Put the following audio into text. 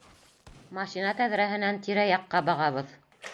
Машина тәҙрәһенән тирә-яҡҡа бағабыҙ.